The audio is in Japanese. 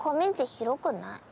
広くない。